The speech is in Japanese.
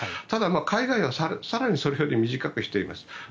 ただ、海外は更にそれより短くしています。